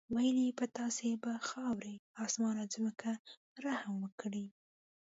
ویل یې په تاسې به خاورې، اسمان او ځمکه رحم وکړي.